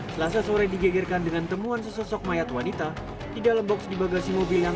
selasa sore digegerkan dengan temuan sesosok mayat wanita di dalam box di bagasi mobil yang